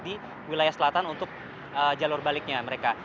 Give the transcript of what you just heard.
di wilayah selatan untuk jalur baliknya mereka